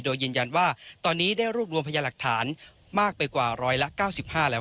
โดยยืนยันว่าตอนนี้ได้รวบรวมพยาหลักฐานมากไปกว่าร้อยละ๙๕แล้ว